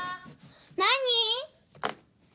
何？